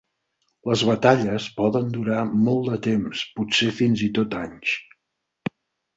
Les batalles poden durar molt de temps, potser fins i tot anys.